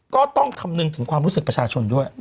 ก็ต้องคำนึงถึงความรู้สึกประชาชนด้วย